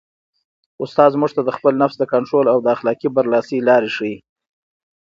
استاد موږ ته د خپل نفس د کنټرول او د اخلاقي برلاسۍ لارې ښيي.